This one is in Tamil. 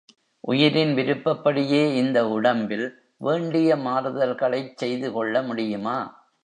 உயிரின் விருப்பப்படியே இந்த உடம்பில் வேண்டிய மாறுதல்களைச் செய்து கொள்ள முடியுமா?